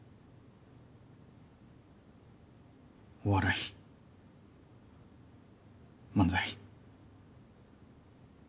お笑い漫才。